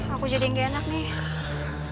aku jadi yang gak enak nih